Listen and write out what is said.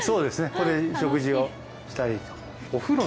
ここで食事をしたりと。